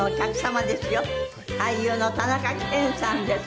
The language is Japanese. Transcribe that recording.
俳優の田中健さんです。